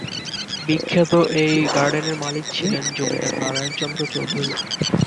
বিখ্যাত এই গার্ডেনের মালিক ছিলেন জমিদার নারায়ণ চন্দ্র চৌধুরী।